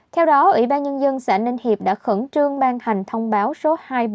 theo đó ủy ban nhân dân xã ninh hiệp đã khẩn trương ban hành thông báo số hai nghìn bốn trăm linh sáu